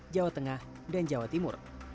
jawa tengah dan jawa timur